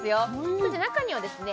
そして中にはですね